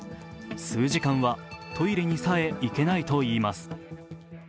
数時間はトイレにさえ行けないといいます。